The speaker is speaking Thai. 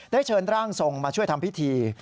ได้เฉินร่างส่งมาช่วยทำพิธี